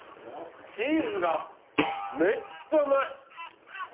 チーズがめっちゃうまい！